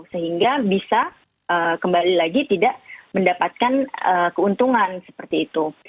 sehingga bisa kembali lagi tidak mendapatkan keuntungan seperti itu